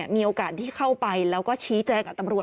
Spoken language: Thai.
มีโอกาสที่เข้าไปแล้วก็ชี้แจงกับตำรวจ